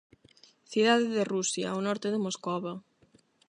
Cidade de Rusia, ao norte de Moscova.